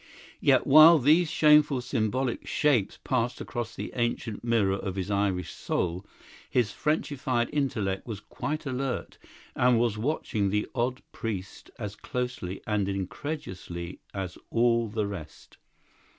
Yet, while these shameful symbolic shapes passed across the ancient mirror of his Irish soul, his Frenchified intellect was quite alert, and was watching the odd priest as closely and incredulously as all the rest.